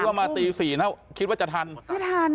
คิดว่ามาตี๔นะคิดว่าจะทัน